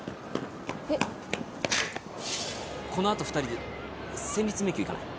えっこのあと２人で戦慄迷宮行かない？